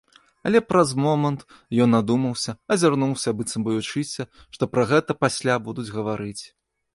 Але праз момант ён адумаўся, азірнуўся, быццам баючыся, што пра гэта пасля будуць гаварыць.